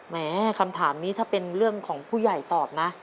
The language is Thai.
แม้คำถามนี้ถ้าเป็นเรื่องของผู้ใหญ่ตอบนะ